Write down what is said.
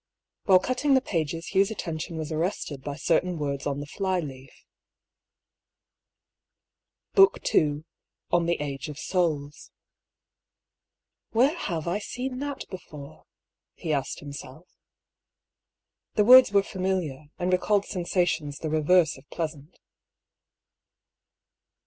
While cutting the pages Hugh's attention was ar rested by certain words on the flyleaf : A QUESTIONABLE DOCTRINE. 239 " Book IL On the Age of Souls." "Where have I seen that before?" he asked him self. The words were familiar, and recalled sensations the reverse of pleasant.